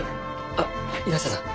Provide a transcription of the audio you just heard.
あっ岩下さん